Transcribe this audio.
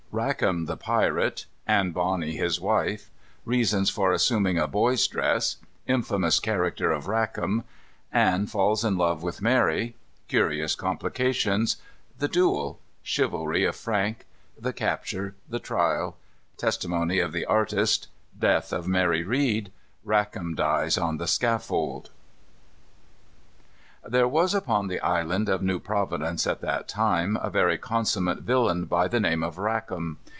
_ Rackam the Pirate. Anne Bonny his Wife. Reasons for Assuming a Boy's Dress. Infamous Character of Rackam. Anne falls in Love with Mary. Curious Complications. The Duel. Chivalry of Frank. The Capture. The Trial. Testimony of the Artist. Death of Mary Read. Rackam Dies on the Scaffold. There was upon the island of New Providence, at that time, a very consummate villain by the name of Rackam.